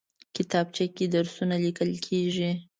کتابچه کې درسونه لیکل کېږي